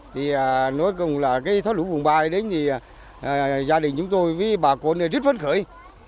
thì nói cùng là cái thoát lũ vùng ba đến thì gia đình chúng tôi với bà con rất vấn khởi